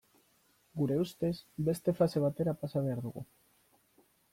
Gure ustez, beste fase batera pasa behar dugu.